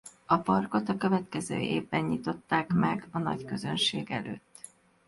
A parkot a következő évben nyitották meg a nagyközönség előtt.